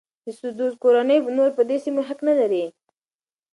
د سدوزو کورنۍ نور په دې سیمو حق نه لري.